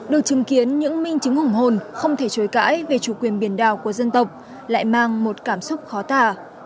được chứng kiến những minh chứng hùng hồn không thể chối cãi về chủ quyền biển đảo của dân tộc lại mang một cảm xúc khó tà